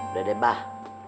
udah deh mbae